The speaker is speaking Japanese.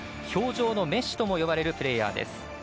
表情のメッシとも呼ばれるプレーヤーです。